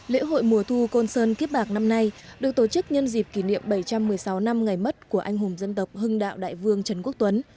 lễ hội mùa thu côn sơn kiếp bạc năm nay được tổ chức nhân dịp kỷ niệm bảy trăm một mươi sáu năm ngày mất của anh hùng dân tộc hưng đạo đại vương trần quốc tuấn